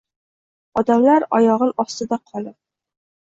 Odamlar oyog’in ostida qolib